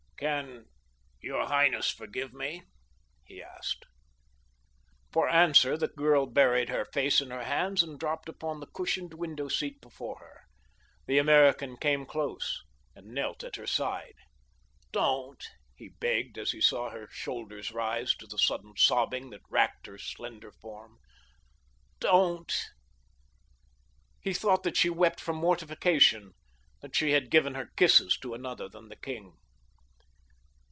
"Can your highness forgive?" he asked. For answer the girl buried her face in her hands and dropped upon the cushioned window seat before her. The American came close and knelt at her side. "Don't," he begged as he saw her shoulders rise to the sudden sobbing that racked her slender frame. "Don't!" He thought that she wept from mortification that she had given her kisses to another than the king.